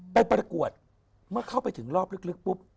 ประกวดเมื่อเข้าไปถึงรอบลึกปุ๊บ